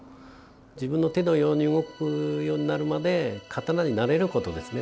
自分の手のように動くようになるまで刀に慣れることですね